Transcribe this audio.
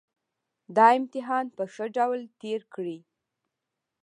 دا امتحان په ښه ډول تېر کړئ